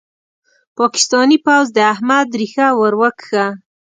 پاکستاني پوځ د احمد ريښه ور وکښه.